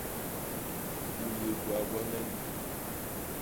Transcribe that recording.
U yé gwaa gwañen?